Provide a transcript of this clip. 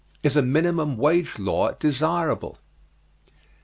Is a minimum wage law desirable?